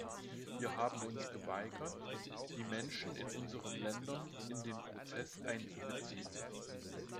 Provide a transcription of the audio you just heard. Wir haben uns geweigert, die Menschen in unseren Ländern in den Prozess einzubeziehen.